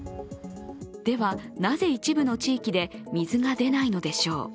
では、なぜ一部の地域で水が出ないのでしょう。